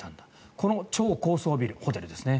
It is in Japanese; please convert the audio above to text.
この超高層ビル、ホテルですね